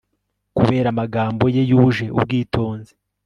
kubera amagambo ye yuje ubwitonzi